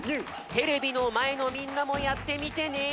テレビのまえのみんなもやってみてね！